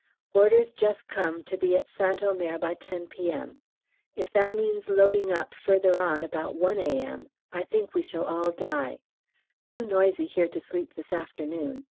Orders just come to be at St Omer by 10 P.M. If that means loading up further on about 1 A.M. I think we shall all die! Too noisy here to sleep this afternoon.